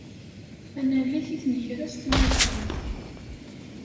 Tannalit i tnekra s tmaziƔt